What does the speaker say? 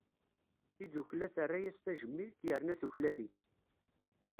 Tidukkla terra-as tajmilt, yerna tuklal-itt.